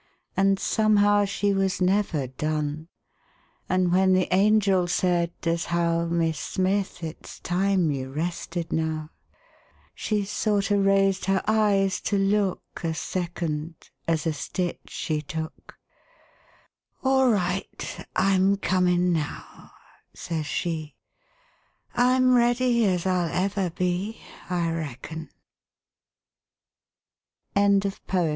An' somehow she was never done; An' when the angel said, as how " Mis' Smith, it's time you rested now," She sorter raised her eyes to look A second, as a^ stitch she took; All right, I'm comin' now," says she, I'm ready as I'll ever be, I reckon," Albert Bigelow Paine.